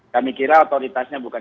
kami kira otoritasnya bukan